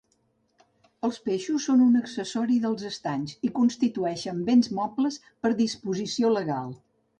Els peixos són un accessori dels estanys i constitueixen béns mobles per disposició legal.